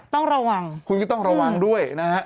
ต้องระวังคุณก็ต้องระวังด้วยนะฮะ